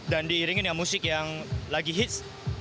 dan diiringin dengan musik yang lagi hits